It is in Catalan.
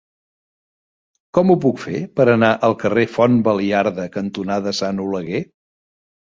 Com ho puc fer per anar al carrer Font Baliarda cantonada Sant Oleguer?